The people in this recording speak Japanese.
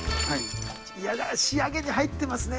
嫌だ仕上げに入ってますね。